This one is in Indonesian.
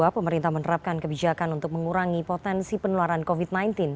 pemerintah menerapkan kebijakan untuk mengurangi potensi penularan covid sembilan belas